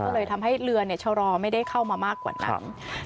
ก็เลยทำให้เรือชะลอไม่ได้เข้ามามากกว่านั้น